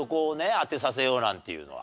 当てさせようなんていうのは。